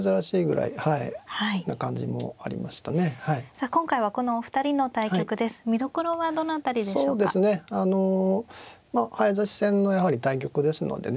あの早指し戦のやはり対局ですのでね